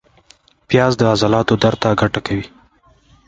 پیاز د عضلاتو درد ته ګټه کوي